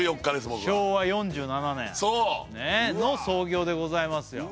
僕は昭和４７年の創業でございますよ